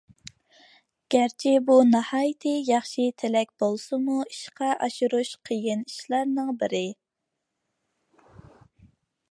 گەرچە بۇ ناھايىتى ياخشى تىلەك بولسىمۇ ئىشقا ئاشۇرۇش قىيىن ئىشلارنىڭ بىرى.